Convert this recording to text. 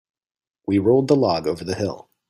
We rolled the log over the hill.